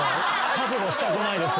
覚悟したくないです。